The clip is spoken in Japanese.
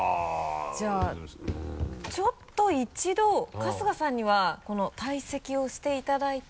じゃあちょっと一度春日さんには退席をしていただいて。